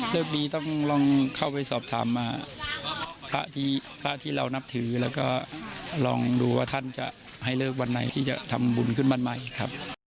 ดีต้องลองเข้าไปสอบถามมาพระที่เรานับถือแล้วก็ลองดูว่าท่านจะให้เลิกวันไหนที่จะทำบุญขึ้นบ้านใหม่ครับ